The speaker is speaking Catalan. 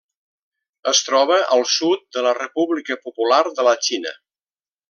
Es troba al sud de la República Popular de la Xina.